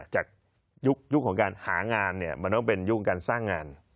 จากยุคของการหางานเนี่ยมันต้องเป็นยุคของการสร้างงาน